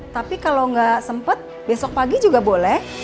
tapi kalau gak sempet besok pagi juga boleh